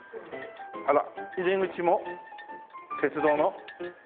あら入り口も鉄道の改札口。